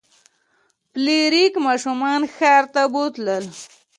فلیریک ماشومان ښار ته بوتلل.